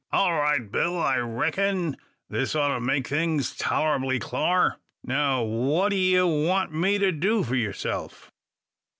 "All right, Bill! I reck'n this oughter make things tol'ably clur. Now, what d'ye want me to do for yurself?"